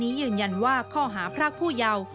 จึงเผยแพร่คลิปนี้ออกมา